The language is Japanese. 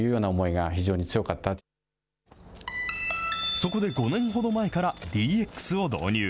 そこで５年ほど前からＤＸを導入。